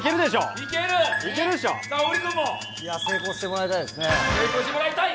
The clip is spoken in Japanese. いやあ、成功してもらいたいですね。